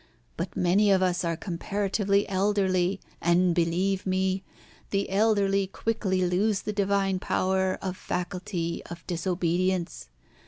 But many of us are comparatively elderly, and, believe me, the elderly quickly lose the divine power of faculty of disobedience.